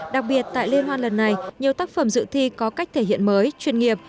đặc biệt tại liên hoan lần này nhiều tác phẩm dự thi có cách thể hiện mới chuyên nghiệp